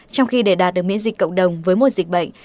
trong khi để đạt được miễn dịch cộng đồng với một dịch bệnh